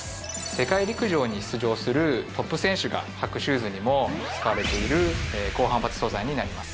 世界陸上に出場するトップ選手が履くシューズにも使われている高反発素材になります